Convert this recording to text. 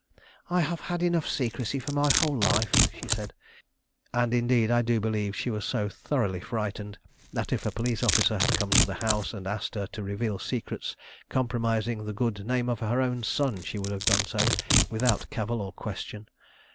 "I have had enough secrecy for my whole life," she said. And indeed I do believe she was so thoroughly frightened, that if a police officer had come into the house and asked her to reveal secrets compromising the good name of her own son, she would have done so without cavil or question.